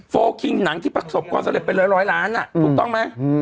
โคคิงหนังที่ประสบความเสล็จเป็นร้อยร้อยล้านน่ะถูกต้องไหม